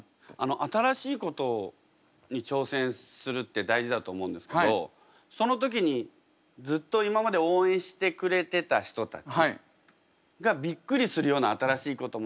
新しいことに挑戦するって大事だと思うんですけどその時にずっと今まで応援してくれてた人たちがびっくりするような新しいことも。